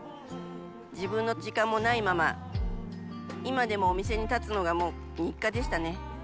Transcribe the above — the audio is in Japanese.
自分の時間もないまま、今でもお店に立つのがもう日課でしたね。